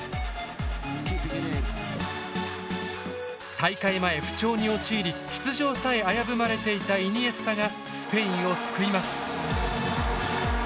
大会前不調に陥り出場さえ危ぶまれていたイニエスタがスペインを救います。